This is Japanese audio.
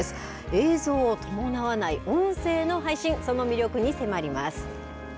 映像を伴わない音声の配信、その魅力に迫ります。